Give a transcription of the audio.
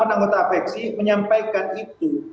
sembilan puluh delapan anggota apeksi menyampaikan itu